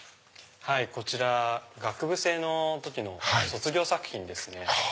こちら学部生の時の卒業作品ですね。